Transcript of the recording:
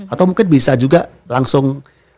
atau mungkin bisa juga langsung